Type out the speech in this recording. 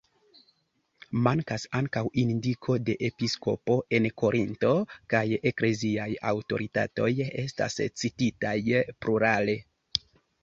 Mankas ankaŭ indiko de episkopo en Korinto, kaj ekleziaj aŭtoritatoj estas cititaj plurale.